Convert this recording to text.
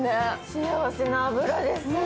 幸せな脂です。